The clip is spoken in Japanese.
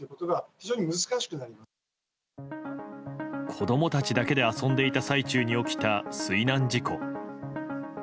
子供たちだけで遊んでいた最中に起きた水難事故。